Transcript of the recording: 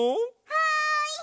はい！